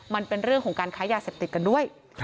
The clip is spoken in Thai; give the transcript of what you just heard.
มันเป็นเรื่องของการค้ายาเสพติดกันด้วย